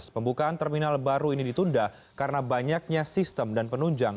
pembukaan terminal baru ini ditunda karena banyaknya sistem dan penunjang